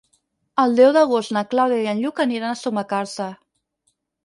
El deu d'agost na Clàudia i en Lluc aniran a Sumacàrcer.